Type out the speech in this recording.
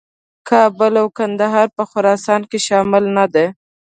کابل او کندهار په خراسان کې شامل نه دي.